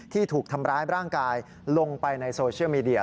ที่ถูกทำร้ายร่างกายลงไปในโซเชียลมีเดีย